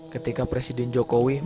ketika presiden jokowi menangani pembahasan